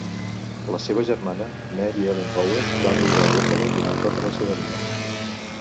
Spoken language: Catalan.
La seva germana, Mary Ellen Powers, va viure a Buffalo durant tota la seva vida.